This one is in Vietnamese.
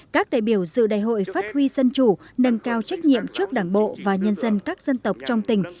các đại biểu dự đại hội phát huy dân chủ nâng cao trách nhiệm trước đảng bộ và nhân dân các dân tộc trong tỉnh